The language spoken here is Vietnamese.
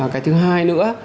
cái thứ hai nữa